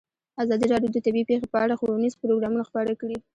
ازادي راډیو د طبیعي پېښې په اړه ښوونیز پروګرامونه خپاره کړي.